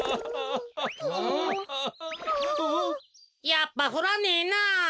やっぱふらねえな。